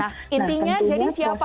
nah intinya jadi siapa helena lim ini dok